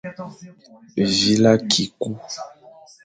Vîle akî ku.